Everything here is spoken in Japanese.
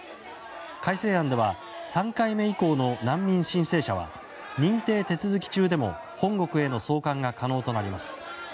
改正案では３回目以降の難民申請者は認定手続き中でも本国への送還が可能となります。